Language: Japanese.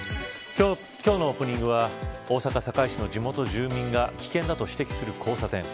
今日のオープニングは大阪、堺市の地元住民が危険だと指摘する交差点。